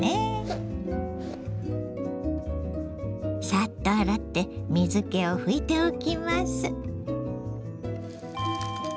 さっと洗って水けをふいておきます。